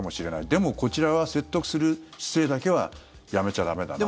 でも、こちらは説得する姿勢だけはやめちゃ駄目だなと。